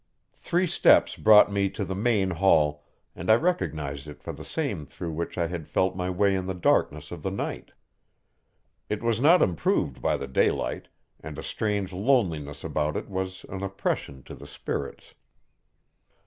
Three steps brought me to the main hall, and I recognized it for the same through which I had felt my way in the darkness of the night. It was not improved by the daylight, and a strange loneliness about it was an oppression to the spirits.